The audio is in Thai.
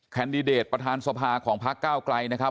แดดิเดตประธานสภาของพักเก้าไกลนะครับ